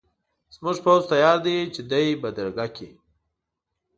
زموږ پوځ تیار دی چې دی بدرګه کړي.